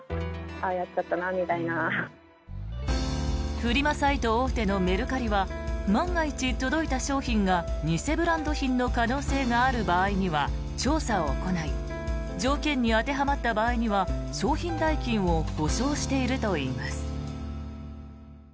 フリマサイト大手のメルカリは万が一、届いた商品が偽ブランド品の可能性がある場合には調査を行い条件に当てはまった場合には商品代金を補償しているといいます。